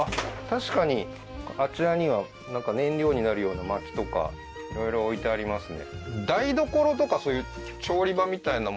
確かにあちらにはなんか燃料になるような薪とかいろいろ置いてありますね